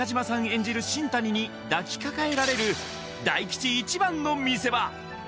演じる新谷に抱きかかえられる大吉一番の見せ場